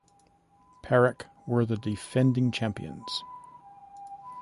Perak were the defending champions.